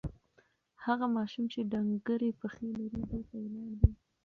هغه ماشوم چې ډنګرې پښې لري، دلته ولاړ دی.